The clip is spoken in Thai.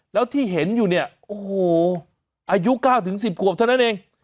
แล้วที่เห็นอยู่เนี่ยโอ้โหอายุ๙๑๐ขวบเท่านั้นเอง